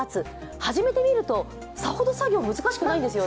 始めてみるとさほど作業難しくないんですよね。